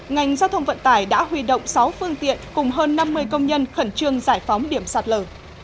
ngành giao thông vận tải đã huy động sáu phương tiện cùng hơn năm mươi công nhân khẩn trương giải phóng điểm sạt lở